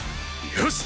よし！